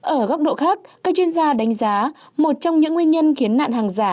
ở góc độ khác các chuyên gia đánh giá một trong những nguyên nhân khiến nạn hàng giả